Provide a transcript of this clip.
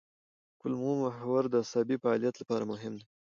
کولمو محور د عصبي فعالیت لپاره مهم دی.